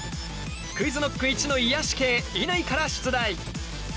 ＱｕｉｚＫｎｏｃｋ一の癒やし系乾から出題。